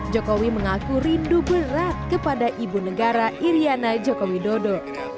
jokowi mengaku rindu berat kepada ibu negara iryana joko widodo